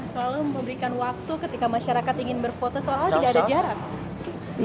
selalu memberikan waktu ketika masyarakat ingin berfoto seolah olah tidak ada jarak